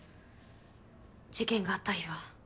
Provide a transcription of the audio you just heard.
事件があった日は。